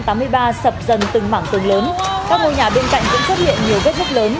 tập dần từng mảng từng lớn các ngôi nhà bên cạnh cũng xuất hiện nhiều vết vết lớn